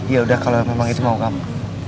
ya udah kalau memang itu mau kamu